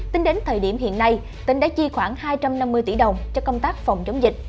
tính đến thời điểm hiện nay tỉnh đã chi khoảng hai trăm năm mươi tỷ đồng cho công tác phòng chống dịch